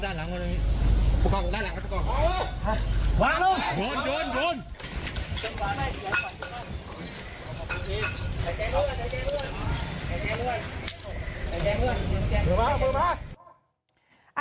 หายแจมื่อหายแจมื่อเอามาพูดมา